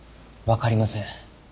わかりません。